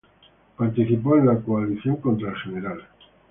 Participó de la coalición contra el Gral.